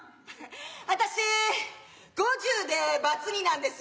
私５０でバツ２なんです。